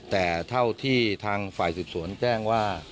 แต่เท่าที่ทางฝ่ายสืบสวนแจ้งว่า